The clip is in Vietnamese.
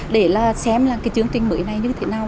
để xem chương trình mới này như thế nào